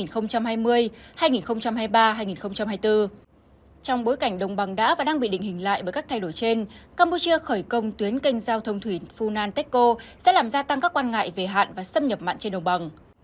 trong bối cảnh đồng bằng đã và đang bị định hình lại bởi các thay đổi trên campuchia khởi công tuyến kênh giao thông thủy funan techco sẽ làm gia tăng các quan ngại về hạn và xâm nhập mặn trên đồng bằng